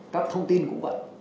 các thông tin cũng vậy